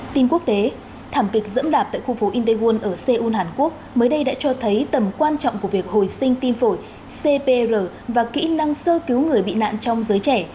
tin quốc tế thảm kịch dẫm đạp tại khu phố integul ở seoul hàn quốc mới đây đã cho thấy tầm quan trọng của việc hồi sinh tim phổi cpr và kỹ năng sơ cứu người bị nạn trong giới trẻ